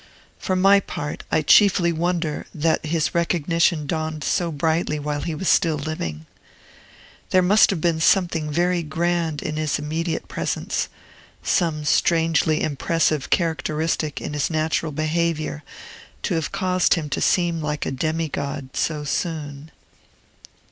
For my part, I chiefly wonder that his recognition dawned so brightly while he was still living. There must have been something very grand in his immediate presence, some strangely impressive characteristic in his natural behavior, to have caused him to seem like a demigod so soon.